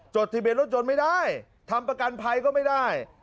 ทะเบียนรถยนต์ไม่ได้ทำประกันภัยก็ไม่ได้